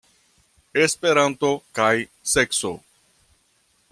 Esperanto kaj sekso.